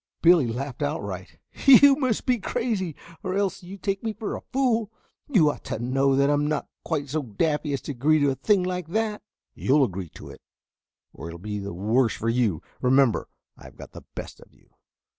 Billy laughed outright. "You must be crazy, or else you take me for a fool. You ought to know that I'm not quite so daffy as to agree to a thing like that." "You'll agree or it will be the worse for you. Remember I've got the best of you."